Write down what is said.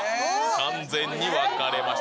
完全に分かれました。